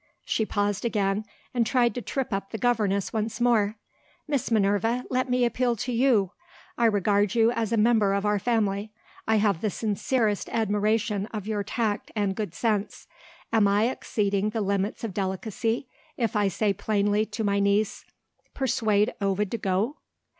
She paused again, and tried to trip up the governess once more. "Miss Minerva, let me appeal to You. I regard you as a member of our family; I have the sincerest admiration of your tact and good sense. Am I exceeding the limits of delicacy, if I say plainly to my niece, Persuade Ovid to go?"